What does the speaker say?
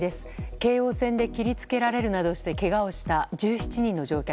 京王線で切りつけられるなどしてけがをした１７人の乗客。